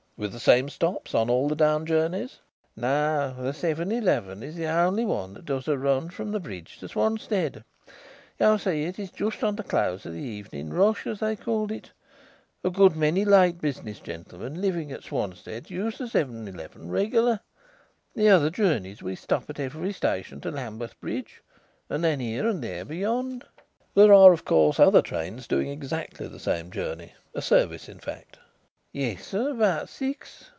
"With the same stops on all the down journeys?" "No. The seven eleven is the only one that does a run from the Bridge to Swanstead. You see, it is just on the close of the evening rush, as they call it. A good many late business gentlemen living at Swanstead use the seven eleven regular. The other journeys we stop at every station to Lambeth Bridge, and then here and there beyond." "There are, of course, other trains doing exactly the same journey a service, in fact?" "Yes, sir. About six."